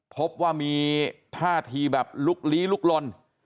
พบว่ามีท่าทีแบบลุกลี้ลุกลน